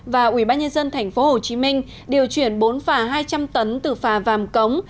và quỹ bác nhân dân thành phố hồ chí minh điều chuyển bốn phà hai trăm linh tấn từ phà vàm cống